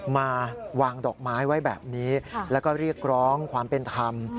มาวางดอกไม้ไว้แบบนี้แล้วก็เรียกร้องความเป็นธรรม